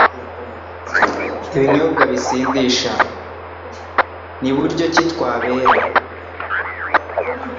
Ibinyobwa bisindisha. Ni buryo ki twabera